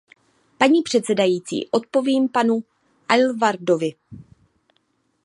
Paní předsedající, odpovím panu Aylwardovi.